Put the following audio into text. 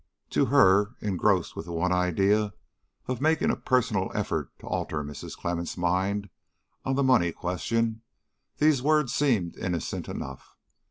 "To her, engrossed with the one idea of making a personal effort to alter Mrs. Clemmens' mind on the money question, these words seemed innocent enough.